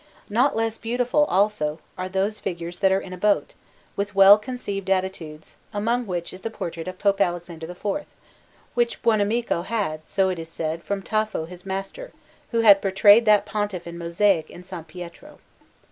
Not less beautiful, also, are those figures that are in a boat, with well conceived attitudes, among which is the portrait of Pope Alexander IV, which Buonamico had, so it is said, from Tafo his master, who had portrayed that Pontiff in mosaic in S. Pietro.